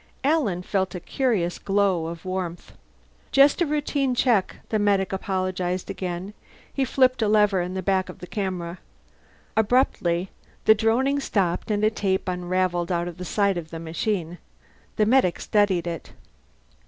Alan felt a curious glow of warmth. "Just a routine check," the medic apologized again. He flipped a lever in the back of the camera. Abruptly the droning stopped and a tape unravelled out of the side of the machine. The medic studied it.